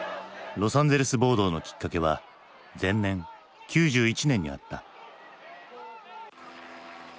ロサンゼルス暴動のきっかけは前年９１年にあった。